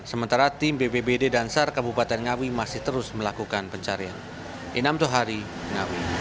sementara tim bbbd dan sar kabupaten ngawi masih terus melakukan pencarian